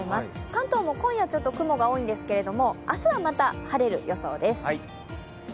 関東も今夜、地と雲が多いんですけれども、明日はまた晴れる予想です。